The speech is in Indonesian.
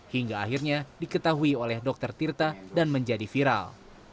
hingga akhirnya diketahui oleh dr tirta dan menjadi viral